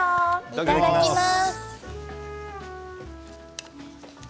いただきます。